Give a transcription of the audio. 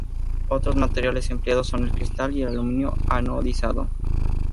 Otros materiales empleados son el cristal y el aluminio anodizado.